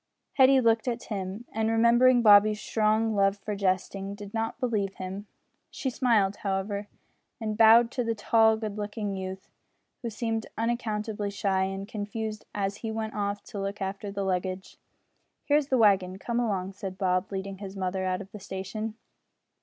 Hetty looked at Tim, and, remembering Bobby's strong love for jesting, did not believe him. She smiled, however, and bowed to the tall good looking youth, who seemed unaccountably shy and confused as he went off to look after the luggage. "Here is the wagon; come along," said Bob, leading his mother out of the station.